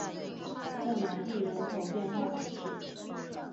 圣玛丽人口变化图示